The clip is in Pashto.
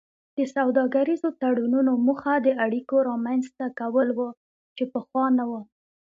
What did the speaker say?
د سوداګریزو تړونونو موخه د اړیکو رامینځته کول وو چې پخوا نه وو